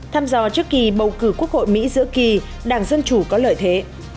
tham dò trước kỳ bầu cử quốc hội mỹ giữa kỳ đảng dân chủ có lợi thế